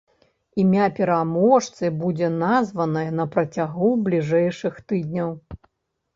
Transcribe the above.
Імя пераможцы будзе названае на працягу бліжэйшых тыдняў.